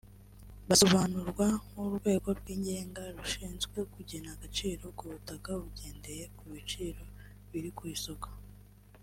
basobanurwa nk’urwego rw’igenga rushinzwe kugena agaciro ku butaka bagendeye ku biciro biri ku isoko